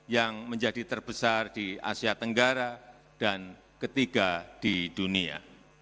yang menjadi terbesar di asia tenggara dan ketiga di dunia